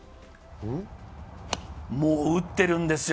もう打ってるんですよ。